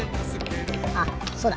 あそうだ！